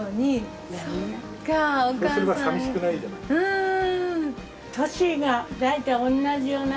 うん。